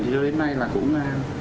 thì đến nay là cũng